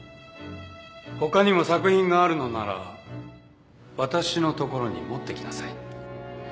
他にも作品があるのなら私のところに持ってきなさい